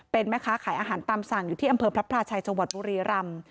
เป็นแม่ค้าขายอาหารตามสั่งอยู่ที่อำเภอพระพลาชัยจังหวัดบุรีรำ